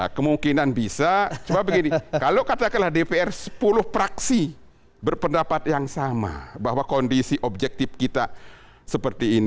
kemungkinan bisa coba begini kalau katakanlah dpr sepuluh praksi berpendapat yang sama bahwa kondisi objektif kita seperti ini